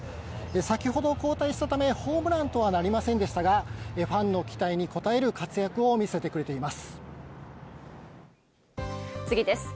先ほど交代したためホームランとはなりませんでしたが、ファンの期待にこたえる活躍を見せてくれて次です。